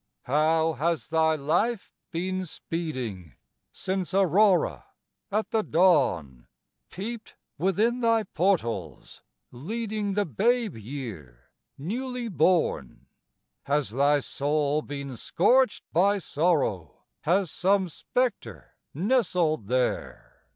How has thy life been speeding Since Aurora, at the dawn, Peeped within thy portals, leading The babe year, newly born? Has thy soul been scorched by sorrow, Has some spectre nestled there?